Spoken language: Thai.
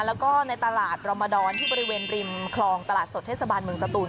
แล้วก็ในตลาดรมดรที่บริเวณริมคลองตลาดสดเทศบาลเมืองสตูน